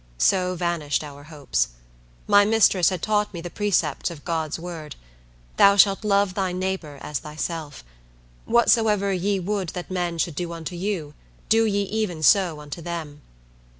So vanished our hopes. My mistress had taught me the precepts of God's Word: "Thou shalt love thy neighbor as thyself." "Whatsoever ye would that men should do unto you, do ye even so unto them."